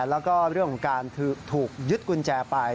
แล้วก็เรื่องของการถูกยึดกุญแจไป